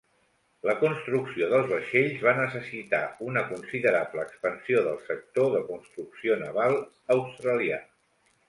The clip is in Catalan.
La construcció dels vaixells va necessitar una considerable expansió del sector de construcció naval australià.